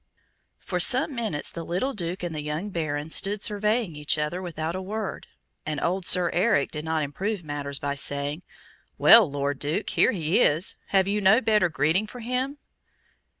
For some minutes the little Duke and the young Baron stood surveying each other without a word, and old Sir Eric did not improve matters by saying, "Well, Lord Duke, here he is. Have you no better greeting for him?"